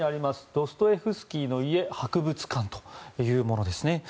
ドストエフスキーの家・博物館というものですね。